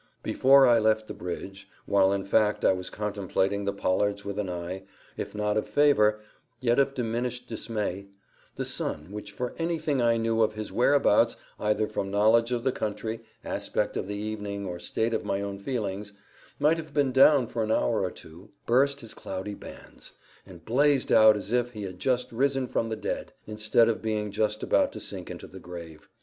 Before I left the bridge,—while, in fact, I was contemplating the pollards with an eye, if not of favour, yet of diminished dismay,—the sun, which, for anything I knew of his whereabouts, either from knowledge of the country, aspect of the evening, or state of my own feelings, might have been down for an hour or two, burst his cloudy bands, and blazed out as if he had just risen from the dead, instead of being just about to sink into the grave.